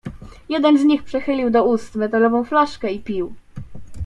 "Jeden z nich przechylił do ust metalową flaszkę i pił."